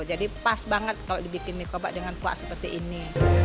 jadi pas banget kalau dibikin mie koba dengan kuah seperti ini